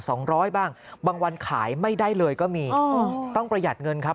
สองร้อยบ้างบางวันขายไม่ได้เลยก็มีอ๋อต้องประหยัดเงินครับ